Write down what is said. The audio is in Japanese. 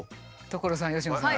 所さん佳乃さん。